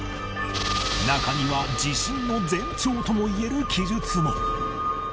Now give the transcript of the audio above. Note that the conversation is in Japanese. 中には地震の前兆ともいえる記述も